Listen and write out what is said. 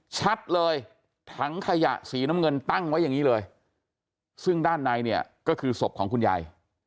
ชัดเลยถังขยะสีน้ำเงินตั้งไว้อย่างนี้เลยซึ่งด้านในเนี่ยก็คือศพของคุณยาย